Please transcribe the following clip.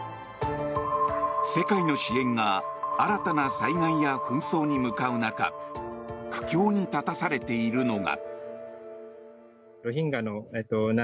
世界の支援が新たな災害や紛争に向かう中苦境に立たされているのが。